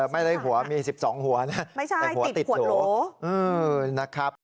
ไม่ใช่หัวมีสิบสองหัวนะไม่ใช่หัวติดโหลเออนะครับ